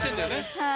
はい。